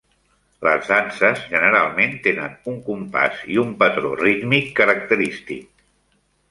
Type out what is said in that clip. Les danses generalment tenen un compàs i un patró rítmic característic.